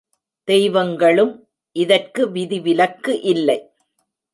தெய்வங்களும் இதற்கு விதி விலக்கு இல்லை.